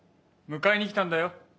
迎えに来たんだよ